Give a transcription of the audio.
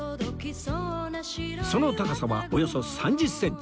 その高さはおよそ３０センチ